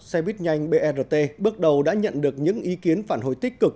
xe buýt nhanh brt bước đầu đã nhận được những ý kiến phản hồi tích cực